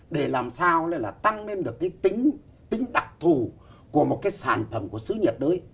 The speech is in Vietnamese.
để làm sao là tăng lên được cái tính đặc thù của một cái sản phẩm của sứ nhiệt đới